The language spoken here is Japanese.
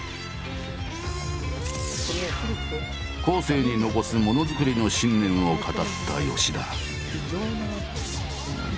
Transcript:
後世に残すモノづくりの信念を語った田。